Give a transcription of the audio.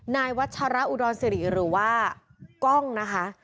นายวัชระอุดรสิริหรือว่ากล้องนะคะ